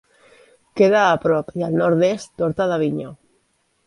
Queda a prop i al nord-est d'Horta d'Avinyó.